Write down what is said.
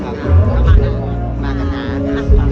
อเรนนี่มากันนาน